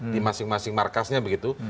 di masing masing markasnya begitu